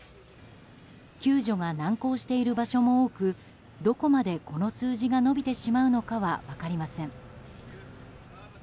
救助が難航している場所も多くどこまでこの数字が伸びてしまうのかは分かりません。